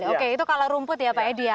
oke itu kalau rumput ya pak edi ya